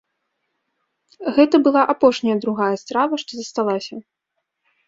Гэта была апошняя другая страва, што засталася.